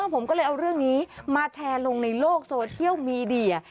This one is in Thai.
ผมก็เลยเอาเรื่องนี้มาแชร์ลงในโลกโซเชียลมีเดีย